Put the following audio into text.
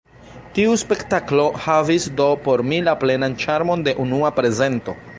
Tiu spektaklo havis do por mi la plenan ĉarmon de unua prezento.